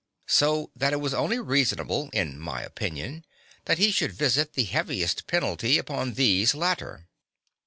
So that it was only reasonable, in my opinion, that he should visit the heaviest penalty upon these latter.